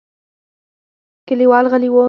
کليوال غلي وو.